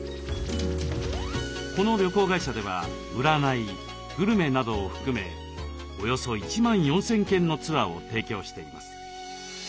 この旅行会社では占いグルメなどを含めおよそ１万４，０００件のツアーを提供しています。